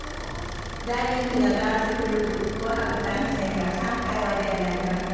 大人気のガールズグループ『紅白歌合戦』には３回お出になりました。